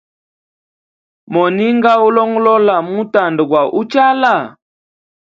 Moninga ulongolola butanda bwa uchala?